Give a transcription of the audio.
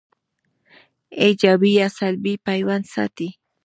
ایجابي یا سلبي پیوند ساتي